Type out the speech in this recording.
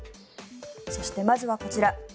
そして、まずはこちら。